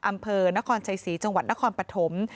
อำเภอนครชัยศรีจังหวัดนครปฐม